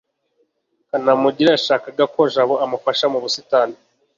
kanamugire yashakaga ko jabo amufasha mu busitani